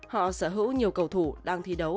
họ sở hữu nhiều cầu thủ đang thi đấu